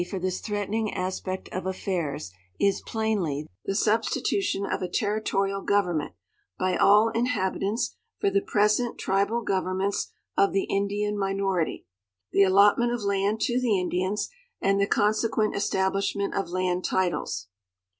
for this threatening aspect of affairs is plainly the substitution of a territorial government by all inhabitants for the present tribal governments of the Indian minority, the allotment of land to the Indians, and the con.se<iueiit establishment of land titles.